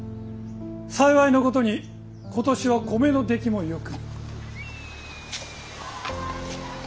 幸いなことに今年は米の出来もよく。